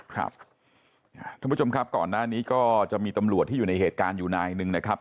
ท่านผู้ชมครับก่อนหน้านี้ก็จะมีตำรวจที่อยู่ในเหตุการณ์อยู่นายหนึ่งนะครับ